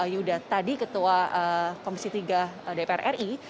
yuda tadi ketua komisi tiga dpr ri